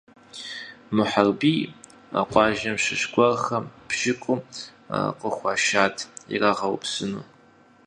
Мухьэрбий къуажэм щыщ гуэрхэм бжыкъу къыхуашат ирагъэупсыну.